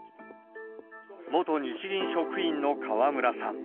元日銀職員の河村さん。